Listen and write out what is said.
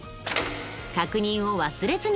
確認を忘れずに。